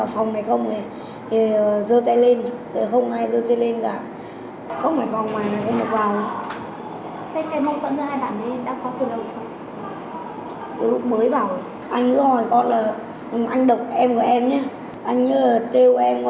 không có ai chơi với em